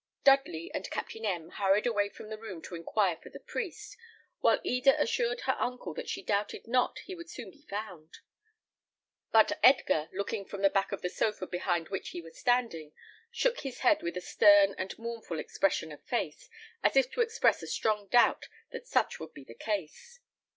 Dudley and Captain M hurried away from the room to inquire for the priest, while Eda assured her uncle that she doubted not he would soon be found; but Edgar, looking from the back of the sofa behind which he was standing, shook his head with a stern and mournful expression of face, as if to express a strong doubt that such would be the case.